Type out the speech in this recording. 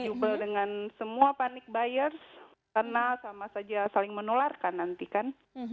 saya mau berjubel dengan semua panic buyers karena sama saja saling menularkan nanti kan